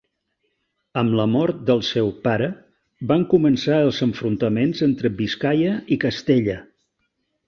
Amb la mort del seu pare van començar els enfrontaments entre Biscaia i Castella.